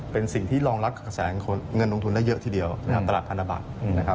เป็นสิ่งที่รองรักกระแสเงินลงทุนได้เยอะทีเดียวตลาดพันธบัตร